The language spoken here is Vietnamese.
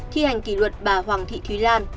thi hành kỷ luật bà hoàng thị thúy lan